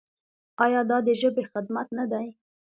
آیا دا د ژبې خدمت نه دی؟